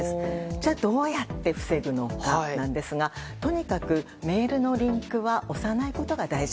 じゃあ、どうやって防ぐかですがとにかくメールのリンクは押さないことが大事。